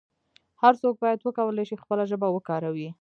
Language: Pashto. هر څوک باید وکولای شي خپله ژبه وکاروي.